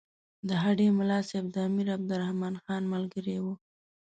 د هډې ملاصاحب د امیر عبدالرحمن خان ملګری وو.